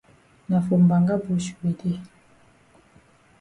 Na for mbanga bush we dey.